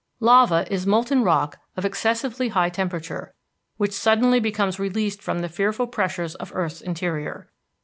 Lava is molten rock of excessively high temperature, which suddenly becomes released from the fearful pressures of earth's interior.